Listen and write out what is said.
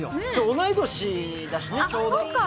同い年だしな、ちょうど。